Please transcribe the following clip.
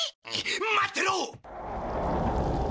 待ってろ！